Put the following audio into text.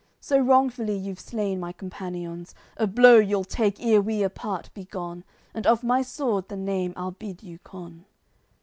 So wrongfully you've slain my companions, A blow you'll take, ere we apart be gone, And of my sword the name I'll bid you con."